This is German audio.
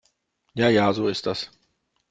Ja ja, so ist das.